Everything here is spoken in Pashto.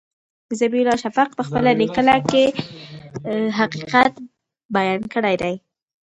ذبیح الله شفق په خپله لیکنه کې حقیقت بیان کړی دی.